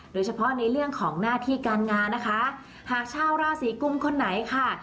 โดยเฉพาะในเรื่องของหน้าที่การงานนะคะหากชาวราศีกุมคนไหนค่ะ